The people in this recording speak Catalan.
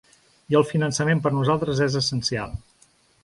I el finançament per nosaltres és essencial.